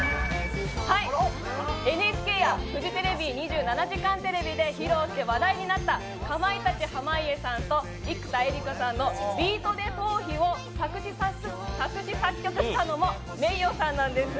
ＮＨＫやフジテレビ「２７時間テレビ」で話題になったかまいたち・濱家さんと生田絵梨花さんの「ビートＤＥトーヒ」を作詞作曲したものｍｅｉｙｏさんなんです。